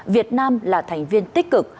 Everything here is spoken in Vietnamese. việt nam là thành viên tích cực